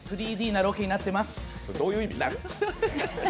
３Ｄなロケになってます。